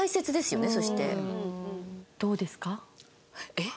えっ？